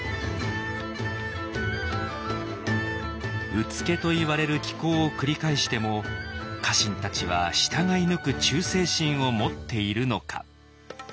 「うつけ」といわれる奇行を繰り返しても家臣たちは従い抜く忠誠心を持っているのか。